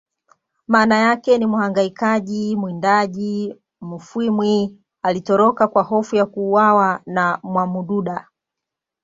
maana yake ni mhangaikaji mwindaji Mufwimi alitoroka kwa hofu ya kuuawa na mwamududa